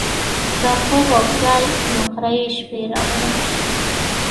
د خوب او خیال نقرهيي شپې راوړي